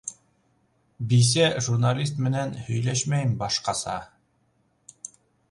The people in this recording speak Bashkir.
Бисә журналист менән һөйләшмәйем башҡаса!